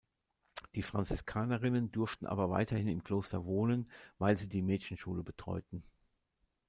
Die Franziskanerinnen durften aber weiterhin im Kloster wohnen, weil sie die Mädchenschule betreuten.